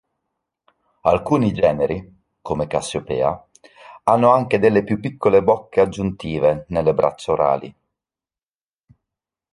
Alcuni generi, come "Cassiopea", hanno anche delle più piccole bocche aggiuntive nelle braccia orali.